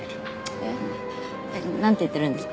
えっなんて言ってるんですか？